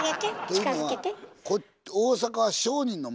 近づけて。